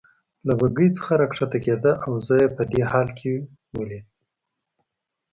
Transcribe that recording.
له بګۍ څخه راکښته کېده او زه یې په دې حال کې ولید.